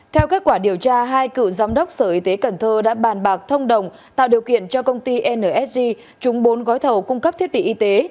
theo kết quả điều tra hai cựu giám đốc sở y tế cần thơ đã bàn bạc thông đồng tạo điều kiện cho công ty nsg trúng bốn gói thầu cung cấp thiết bị y tế